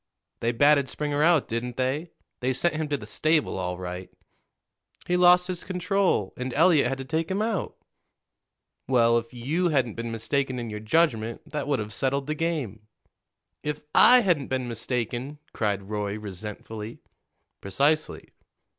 "They batted Springer out, didn't they? They sent him to the stable, all right." "He lost his control, and Eliot had to take him out." "Well, if you hadn't been mistaken in your judgment, that would have settled the game." "If I hadn't been mistaken!" cried Roy resentfully. "Precisely."